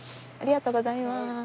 ありがとうございます。